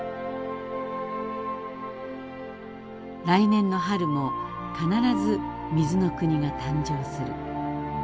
来年の春も必ず水の国が誕生する。